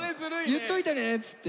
「言っといてね」っつって。